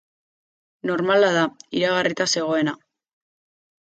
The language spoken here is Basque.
Normala da, iragarrita zegoena.